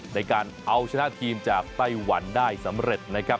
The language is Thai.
ในการเอาชนะทีมจากไต้หวันได้สำเร็จนะครับ